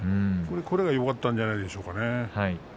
これが、よかったんじゃないでしょうか。